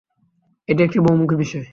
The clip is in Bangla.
এটি একটি বহুমুখী বিষয়।